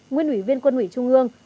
nguyên ủy viên quân ủy trung ương